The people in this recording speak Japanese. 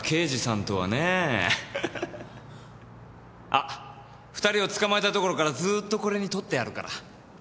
あっ２人を捕まえたところからずーっとこれに撮ってあるから。